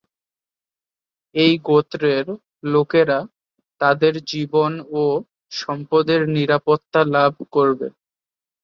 এই গোত্রের লোকেরা তাদের জীবন ও সম্পদের নিরাপত্তা লাভ করবে।